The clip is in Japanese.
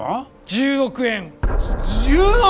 １０億円じゅ１０億！？